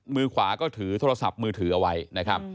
มือขวาก็ถือโทรศัพท์มือถือเอาไว้นะครับ